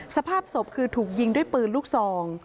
สภาพศพคือถูกยิงด้วยปืนลูกซอง